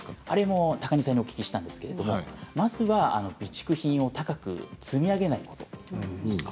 あれも高荷さんにお聞きしたんですけれどもまずは備蓄品を高く積み上げないこと。